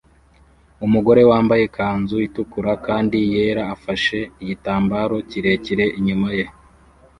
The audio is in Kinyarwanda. Umugore wambaye ikanzu itukura kandi yera afashe igitambaro kirekire inyuma ye